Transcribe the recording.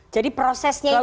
jadi prosesnya itu bang